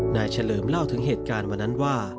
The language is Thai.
เฉลิมเล่าถึงเหตุการณ์วันนั้นว่า